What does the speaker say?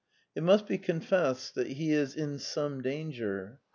It must be confessed that he is in some danger.